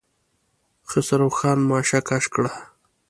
خسرو خان ماشه کش کړه.